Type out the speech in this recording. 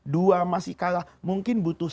dua masih kalah mungkin butuh